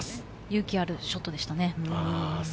勇気あるショットでしたね。